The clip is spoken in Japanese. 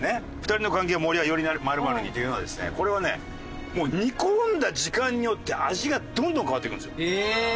「２人のカンケイが盛り上がればより○○に！！」というのはですねこれはねもう煮込んだ時間によって味がどんどん変わっていくんですよ。